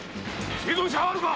生存者はあるか？